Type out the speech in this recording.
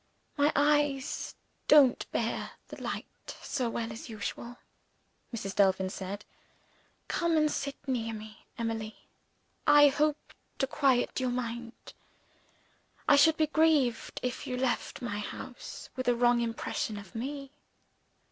"My eyes don't bear the light so well as usual," Mrs. Delvin said. "Come and sit near me, Emily; I hope to quiet your mind. I should be grieved if you left my house with a wrong impression of me."